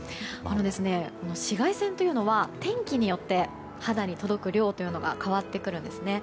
紫外線というのは天気によって肌に届く量が変わってくるんですね。